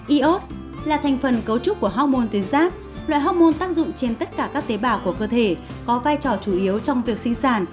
iod là thành phần cấu trúc của hormôn tuyến giáp loại hormôn tăng dụng trên tất cả các tế bào của cơ thể có vai trò chủ yếu trong việc sinh sản